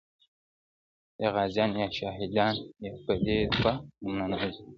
• یا غازیان یا شهیدان یو په دې دوه نومه نازیږو -